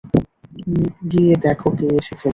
গিয়ে দেখ কে এসেছে, যা!